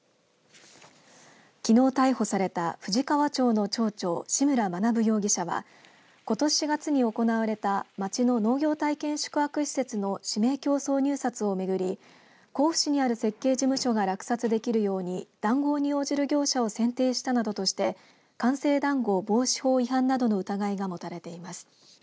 きのう逮捕された富士川町の町長志村学容疑者はことし４月に行われた町の農業体験宿泊施設の指名競争入札をめぐり甲府市にある設計事務所が落札できるように談合に応じる業者を選定したなどとして官製談合防止法違反などの疑いが持たれています。